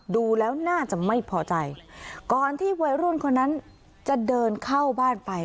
ดูแล้วน่าจะไม่พอใจก่อนที่วัยรุ่นคนนั้นจะเดินเข้าบ้านไป